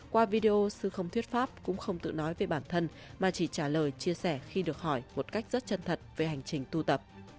qua video sư không thuyết pháp cũng không tự nói về bản thân mà chỉ trả lời chia sẻ khi được hỏi một cách rất chân thật về hành trình tu tập